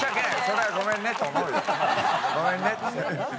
ごめんねって。